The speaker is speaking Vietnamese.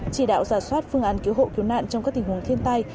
chỉ đạo giả soát phương án cứu hộ cứu nạn trong các tình huống thiên tai